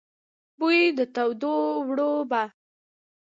بوی د تودو اوړو به،